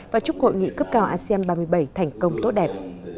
và chúc hội nghị cấp cao asean ba mươi bảy thành công tốt đẹp